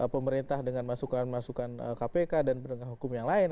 pemerintah dengan masukan masukan kpk dan penegak hukum yang lain